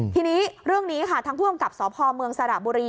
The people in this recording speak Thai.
ทีนี้เรื่องนี้ค่ะทางผู้กำกับสพเมืองสระบุรี